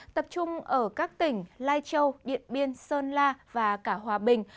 tập trung ở các tỉnh lai châu điện biên sơn la và cả hòa bình